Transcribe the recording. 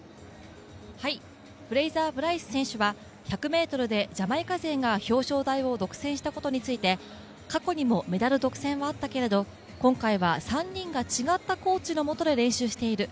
フレイザー・プライス選手は１００ｍでジャマイカ勢が表彰台を独占したことについて過去にもメダル独占はあったけれど、今回は３人が違ったコーチのもとで練習している。